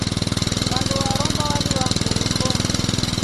Wandu va Rombo waliwakurufo.